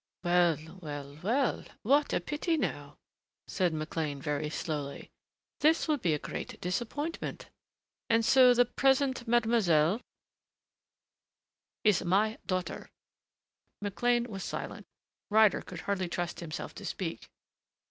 "Well, well, well, what a pity now," said McLean very slowly. "This will be a great disappointment.... And so the present mademoiselle " "Is my daughter." McLean was silent. Ryder could hardly trust himself to speak.